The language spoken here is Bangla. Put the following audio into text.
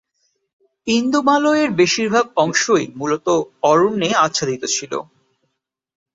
ইন্দো-মালয়ের বেশিরভাগ অংশই মূলত অরণ্যে আচ্ছাদিত ছিল।